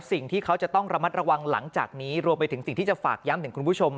สิ่งที่เขาจะต้องระมัดระวังหลังจากนี้รวมไปถึงสิ่งที่จะฝากย้ำถึงคุณผู้ชม